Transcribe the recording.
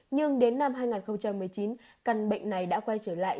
nhưng đến năm hai nghìn một mươi chín căn bệnh này đã quay trở lại